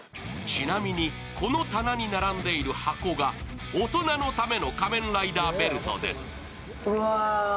ちなみに、この棚に並んでいる箱が大人のための仮面ライダーベルトです。